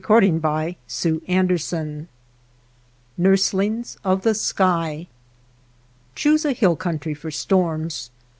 NURSLINGS OF THE SKY NURSLINGS OF THE SKY CHOOSE a hill country for storms.